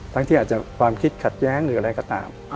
ที่อาจจะความคิดขัดแย้งหรืออะไรก็ตาม